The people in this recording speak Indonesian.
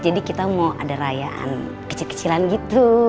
jadi kita mau ada rayaan kecil kecilan gitu